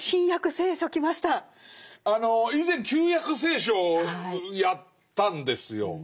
あの以前「旧約聖書」やったんですよ。